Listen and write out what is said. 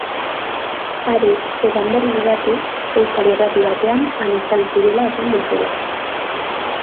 Are, esan berri didate euskal irrati batean han izan zirela esan dutela.